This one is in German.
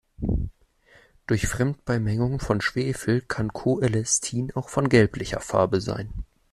Durch Fremdbeimengungen von Schwefel kann Coelestin auch von gelblicher Farbe sein.